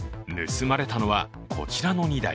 盗まれたのは、こちらの２台。